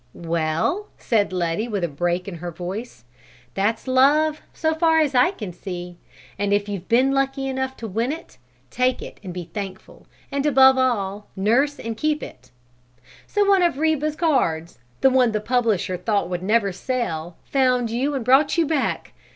"Well," said Letty with a break in her voice, "that's love, so far as I can see, and if you've been lucky enough to win it, take it and be thankful, and above all, nurse and keep it. So one of Reba's cards, the one the publisher thought would never sell, found you and brought you back!